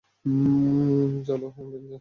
চলো, ভেনজেন্স।